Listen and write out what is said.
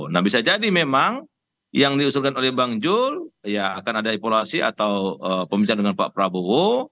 nah bisa jadi memang yang diusulkan oleh bang jul ya akan ada evaluasi atau pembicaraan dengan pak prabowo